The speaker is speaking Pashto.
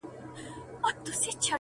پر کهاله باندي یې زېری د اجل سي-